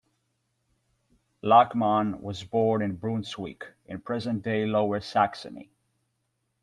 Lachmann was born in Brunswick, in present-day Lower Saxony.